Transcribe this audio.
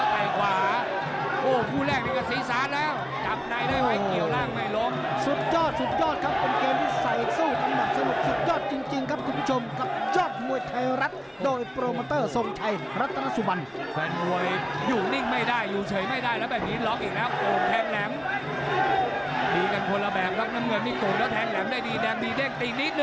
ไม่ถูกเลยอันนี้ขยับออกขวาไหมต้องเนธ